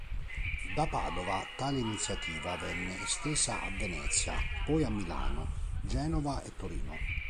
Da Padova tale iniziativa venne estesa a Venezia, poi a Milano, Genova e Torino.